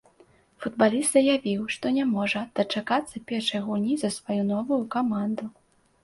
Футбаліст заявіў, што не можа дачакацца першай гульні за сваю новую каманду.